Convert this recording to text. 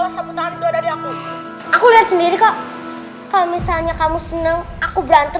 sampai jumpa di video selanjutnya